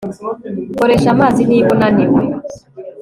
koresha amazi niba unaniwe